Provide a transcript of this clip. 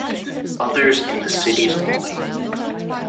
Others in the city's only.